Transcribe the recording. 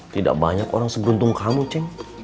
tidak banyak orang seberuntung kamu ceng